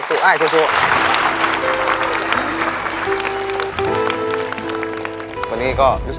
ขอบคุณครับ